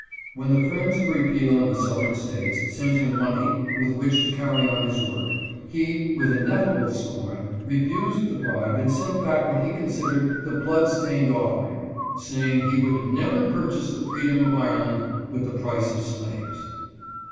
When the friends of repeal in the Southern States sent him money with which to carry on his work, he, with ineffable scorn, refused the bribe and sent back what he considered the blood stained LORD BROUGHAM. 297 offering, saying he would " never purchase the freedom of Ireland with the price of slaves."